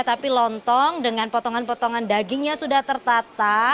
tapi lontong dengan potongan potongan dagingnya sudah tertata